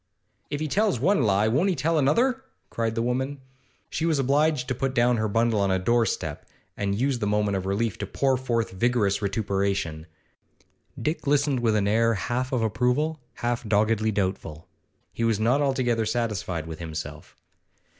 'If he tells one lie, won't he tell another?' cried the woman. She was obliged to put down her bundle on a doorstep, and used the moment of relief to pour forth vigorous vituperation. Dick listened with an air half of approval, half doggedly doubtful. He was not altogether satisfied with himself.